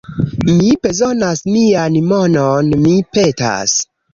Mi bezonas mian monon, mi petas